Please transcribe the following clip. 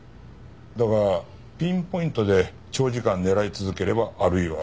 だがピンポイントで長時間狙い続ければあるいは。